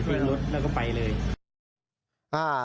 เราก็ไปเลย